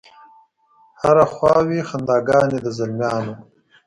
هره خوا وي خنداګانې د زلمیانو